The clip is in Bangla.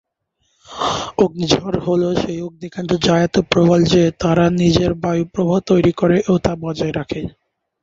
অগ্নিঝড় হলো সেই অগ্নিকাণ্ড যা এত প্রবল যে তারা নিজের বায়ু প্রবাহ তৈরি করে ও তা বজায় রাখে।